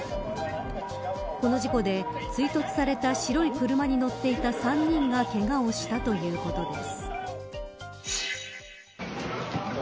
この事故で追突された白い車に乗っていた３人がけがをしたということです。